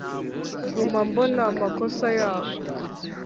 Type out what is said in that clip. Nguma mbona amakosa yabo